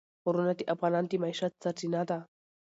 غرونه د افغانانو د معیشت سرچینه ده.